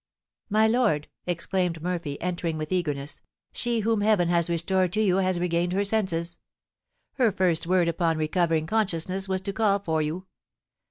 "My lord," exclaimed Murphy, entering with eagerness, "she whom Heaven has restored to you has regained her senses. Her first word upon recovering consciousness was to call for you.